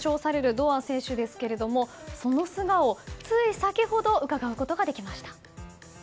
堂安選手ですが、その素顔つい先ほど伺うことができました。